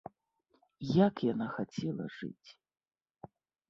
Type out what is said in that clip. Як яна хацела жыць!